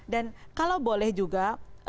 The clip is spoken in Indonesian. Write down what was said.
dan kalau boleh juga